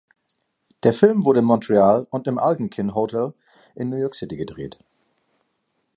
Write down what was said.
Der Film wurde in Montreal und im Algonquin Hotel in New York City gedreht.